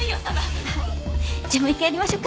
じゃあもう１回やりましょっか。